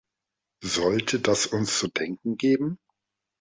Sollte das uns zu denken geben?